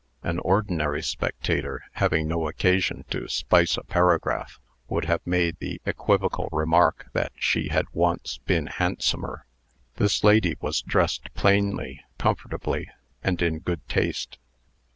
An ordinary spectator, having no occasion to spice a paragraph, would have made the equivocal remark that she had once been handsomer. This lady was dressed plainly, comfortably, and in good taste.